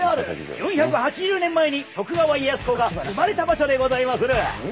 ４８０年前に徳川家康公が生まれた場所でございまする！